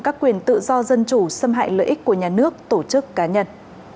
các quyền tự do dân chủ xâm hại lợi ích của nhà nước tổ chức cá nhân